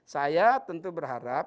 saya tentu berharap